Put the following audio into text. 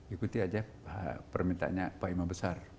ikuti aja permintaannya pak imam besar